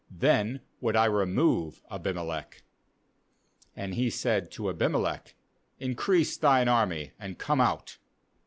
then would I remove Abimelech.' And he said to Abimelech: 'Increase thine army, and come out.'